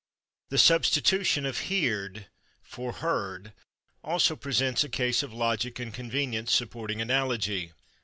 The substitution of /heerd/ for /heard/ also presents a case of logic and convenience supporting analogy.